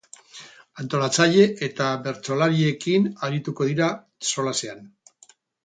Antolatzaile eta bertsolariekin arituko dira solasean.